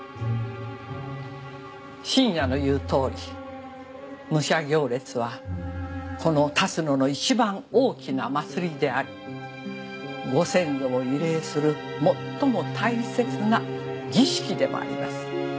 信也の言うとおり武者行列はこの龍野の一番大きな祭りでありご先祖を慰霊する最も大切な儀式でもあります。